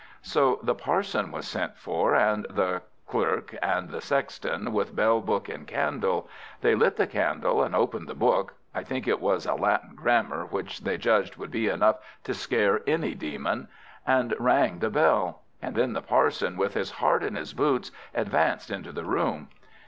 So the Parson was sent for, and the Clerk, and the Sexton, with bell, book, and candle. They lit the candle, and opened the book (I think it was a Latin Grammar, which they judged would be enough to scare any demon), and rang the bell; and then the Parson, with his heart in his boots, advanced into the room.